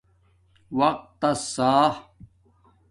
وقت تس سآ